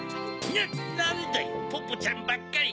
なんだよポッポちゃんばっかり。